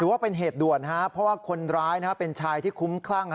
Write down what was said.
ว่าเป็นเหตุด่วนเพราะว่าคนร้ายเป็นชายที่คุ้มคลั่ง